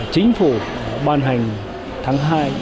chính phủ ban hành tháng hai